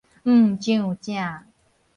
毋上正